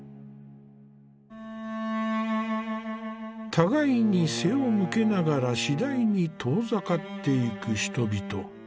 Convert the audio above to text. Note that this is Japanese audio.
互いに背を向けながら次第に遠ざかっていく人々。